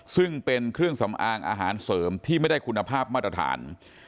ซึ่งเป็นเครื่องสำอางอาหารเสริมที่ไม่ได้คุณภาพมาตรฐาน